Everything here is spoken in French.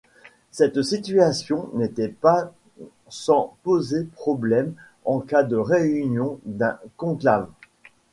Cette situation n'était pas sans poser problème en cas de réunion d'un conclave.